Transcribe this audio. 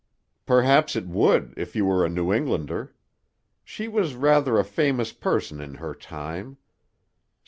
"Perhaps it would, if you were a New Englander. She was rather a famous person in her time.